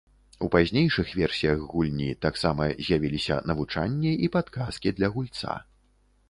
У пазнейшых версіях гульні таксама з'явіліся навучанне і падказкі для гульца.